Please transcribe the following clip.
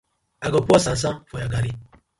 I go pour sand sand for your garri.